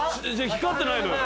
光ってないのよ。